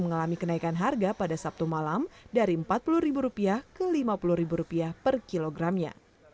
mengalami kenaikan harga pada sabtu malam dari rp empat puluh ke rp lima puluh per kilogramnya